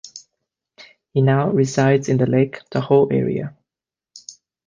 He now resides in the Lake Tahoe area.